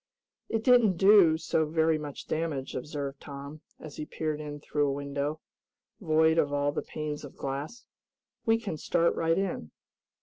"It didn't do so very much damage," observed Tom, as he peered in through a window, void of all the panes of glass. "We can start right in."